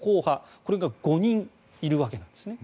これが５人いるわけなんですね。